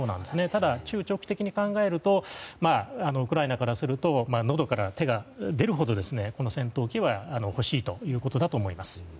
ただ、中長期的に考えるとウクライナからするとのどから手が出るほど戦闘機は欲しいということだと思います。